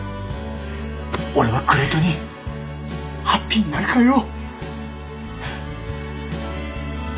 俺はグレイトにハッピーになるからよ！